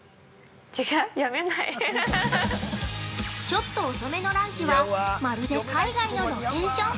◆ちょっと遅めのランチは、まるで海外のロケーション！